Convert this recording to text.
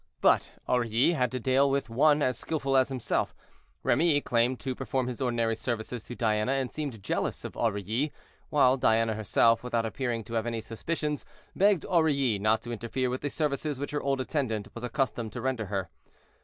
But Aurilly had to deal with one as skillful as himself; Remy claimed to perform his ordinary services to Diana, and seemed jealous of Aurilly, while Diana herself, without appearing to have any suspicions, begged Aurilly not to interfere with the services which her old attendant was accustomed to render to her.